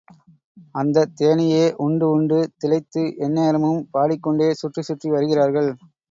அந்தத் தேனையே உண்டு உண்டு, திளைத்து எந்நேரமும் பாடிக் கொண்டே சுற்றிச் சுற்றி வருகிறார்கள்.